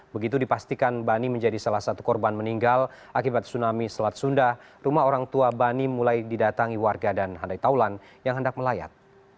begitu dipastikan bani menjadi salah satu korban meninggal akibat tsunami selat sunda rumah orang tua bani mulai didatangi warga dan handai taulan yang hendak melayat